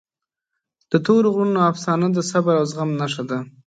د تورې غرونو افسانه د صبر او زغم نښه ده.